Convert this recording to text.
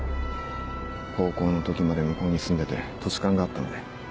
高校の時まで向こうに住んでて土地勘があったので。